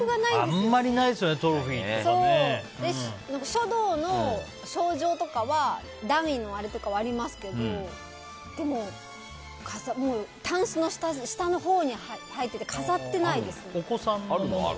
書道の賞状とか段位のあれとかはありますけどたんすの下のほうに入ってて飾ってないですね。